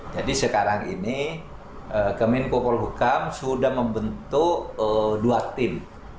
jadi sekarang ini kemenko polhukam sudah membentuk dua tim